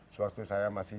sewaktu saya masih